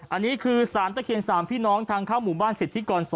อันนี้คือสารตะเคียน๓พี่น้องทางเข้าหมู่บ้านสิทธิกร๒